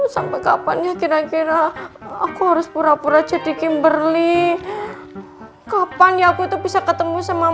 sampai kapan ya kira kira aku harus pura pura jadi kimberly kapan ya aku tuh bisa ketemu sama